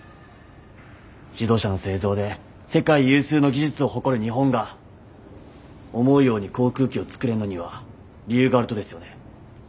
自動車の製造で世界有数の技術を誇る日本が思うように航空機を作れんのには理由があるとですよね。